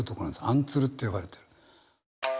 アンツルって呼ばれてる。